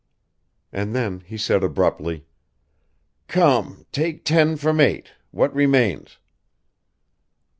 And then he said abruptly, "Come, take ten from eight, what remains?"